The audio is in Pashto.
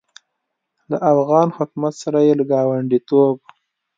له افغان حکومت سره یې له ګاونډیتوب